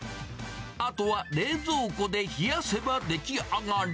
あとは冷蔵庫で冷やせば出来上がり。